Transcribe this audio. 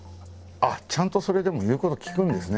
あっちゃんとそれでも言うこと聞くんですね。